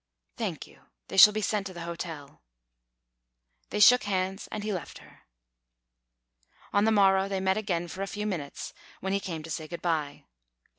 "Thank you. They shall be sent to the hotel." They shook hands, and he left her. On the morrow they met again for a few minutes, when he came to say good bye.